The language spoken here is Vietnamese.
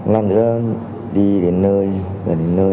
lần nữa đi đến nơi gần đến nơi